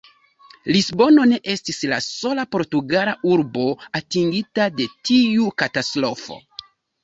Lisbono ne estis la sola portugala urbo atingita de tiu katastrofo.